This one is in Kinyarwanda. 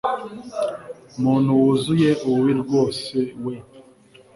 muntu wuzuye ububi bwose we